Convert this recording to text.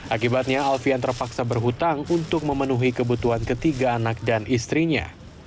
akibatnya alfian terpaksa berhutang untuk memenuhi kebutuhan ketiga anak dan istrinya